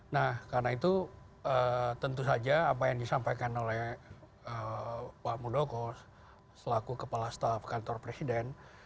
nah karena itu tentu saja apa yang disampaikan oleh pak muldoko selaku kepala staf kantor presiden